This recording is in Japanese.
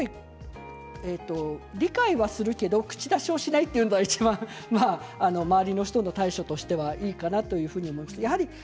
理解はするけれど口出しはしないというのは周りの人の対処としてはいちばんいいかなと思います。